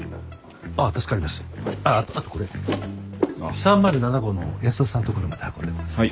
３０７号の安田さんのところまで運んでください。